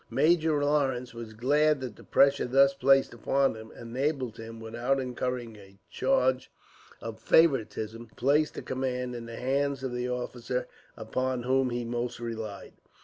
Major Lawrence was glad that the pressure thus placed upon him enabled him, without incurring a charge of favouritism, to place the command in the hands of the officer upon whom he most relied.